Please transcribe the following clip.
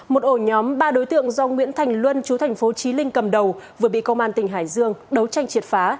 một ổ nhóm ba đối tượng do nguyễn thành luân chú thành phố trí linh cầm đầu vừa bị công an tỉnh hải dương đấu tranh triệt phá